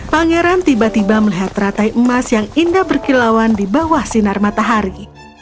pangeran tiba tiba melihat ratai emas yang indah berkilauan di bawah sinar matahari